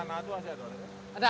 ini tanah itu apa saja pak